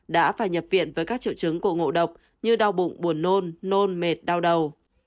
đã phải nhập viện với các triệu chứng của ngộ độc như đau bụng buồn nôn nôn mệt đau đầu